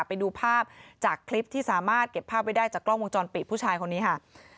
ไปดูภาพจากคลิปที่สามารถเก็บภาพไว้ได้จากกล้องวงจรปิดผู้ชายคนนี้ค่ะ